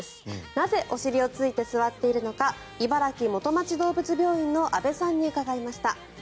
なぜお尻をついて座っているのか茨木元町どうぶつ病院の阿部さんに伺いました。